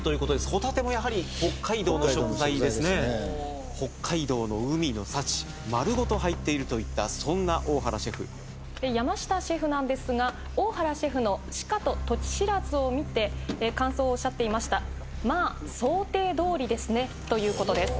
ホタテもやはり北海道の食材ですね北海道の海の幸丸ごと入っているといったそんな大原シェフ山下シェフなんですが大原シェフの鹿と時不知を見て感想をおっしゃっていましたまあ想定通りですねということです